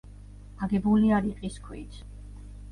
აგებულია რიყის ქვით.